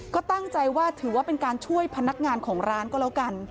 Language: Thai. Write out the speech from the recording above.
ก็ตั้งใจว่าถือว่าเป็นการช่วยพนักงานของร้านก็แล้วกัน